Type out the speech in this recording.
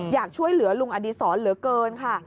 อยากช่วยเหลือลุงอดีศรเหลือเกินค่ะ